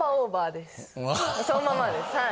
そのままですはい。